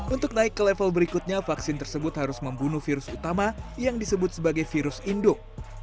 untuk naik ke level berikutnya vaksin tersebut harus membunuh virus utama yang disebut sebagai virus induk